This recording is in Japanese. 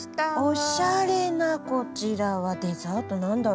おしゃれなこちらはデザート何だろう？